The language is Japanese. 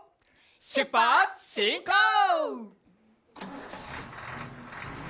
しゅっぱつしんこう！